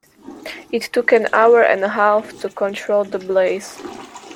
It took an hour and a half to control the blaze.